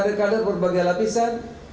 mendengar dari kadirat berbagai lapisan